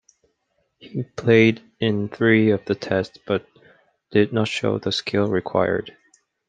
He played in three of the Tests but did not show the skill required.